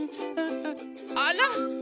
あら！